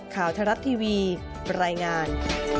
ข่าวทะลัดทีวีบรรยายงาน